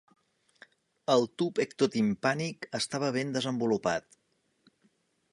El tub ectotimpànic estava ben desenvolupat.